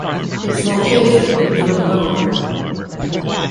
Its location is unknown.